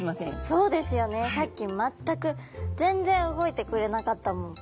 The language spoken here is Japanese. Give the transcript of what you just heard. そうですよねさっき全く全然動いてくれなかったもん。